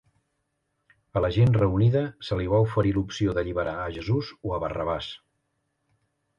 A la gent reunida se li va oferir l'opció d'alliberar a Jesús o Barrabàs.